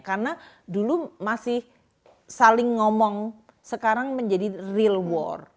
karena dulu masih saling ngomong sekarang menjadi real war